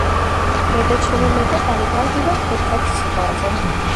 მე და ჩემი მეგობრები დავდივართ ერთად ცეკვაზე